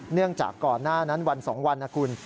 เนื่องจากก่อนหน้านั้นวัน๒วันนะคุณ